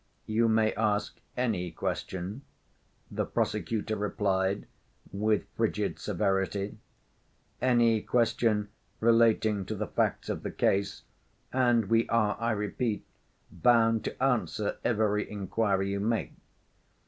"You may ask any question," the prosecutor replied with frigid severity, "any question relating to the facts of the case, and we are, I repeat, bound to answer every inquiry you make.